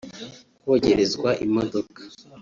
kogerezwa imodoka